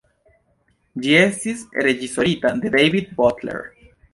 Ĝi estis reĝisorita de David Butler.